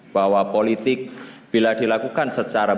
bahwa politik bila dilakukan secara